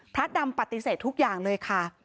พระดำปฏิเสธทุกอย่างเลยค่ะ